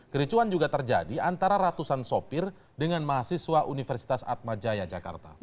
kericuan juga terjadi antara ratusan sopir dengan mahasiswa universitas atmajaya jakarta